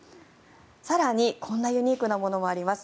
更に、こんなユニークなものもあります。